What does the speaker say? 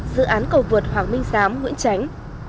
dự án cầu vượt hoàng minh giám nguyễn tránh